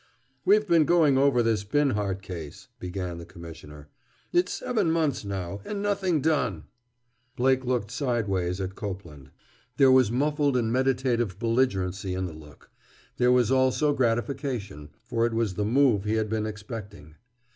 "We've been going over this Binhart case," began the Commissioner. "It's seven months now—and nothing done!" Blake looked sideways at Copeland. There was muffled and meditative belligerency in the look. There was also gratification, for it was the move he had been expecting.